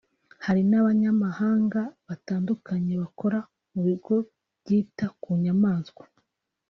Hari n’abanyamahanga batandukanye bakora mu bigo byita ku nyamaswa